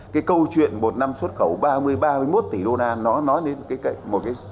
cái câu chuyện một năm xuất khẩu ba mươi ba mươi một tỷ đô na nói đến một cái